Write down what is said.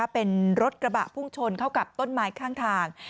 เป็นรถกระบะพุ่งชนเข้ากับต้นไม้ข้างทาง